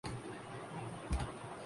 کے آغاز پر ایک بورڈ نصب ہے